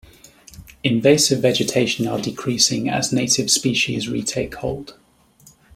Invasive vegetation are decreasing as native species retake hold.